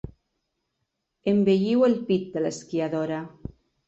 Embelliu el pit de l'esquiadora.